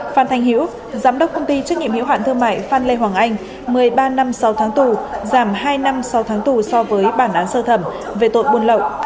phan thành hữu giám đốc công ty trách nhiệm hiệu hạn thương mại phan lê hoàng anh một mươi ba năm sáu tháng tù giảm hai năm sau tháng tù so với bản án sơ thẩm về tội buôn lậu